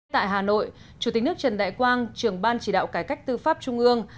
tại hà nội chủ tịch nước trần đại quang trưởng ban chỉ đạo cải cách tư pháp trung ương